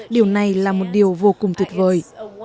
điều này là một điều vô cùng tuyệt vời